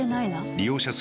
利用者数